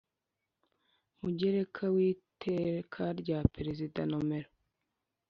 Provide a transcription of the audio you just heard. mugereka w Iteka rya Perezida nomero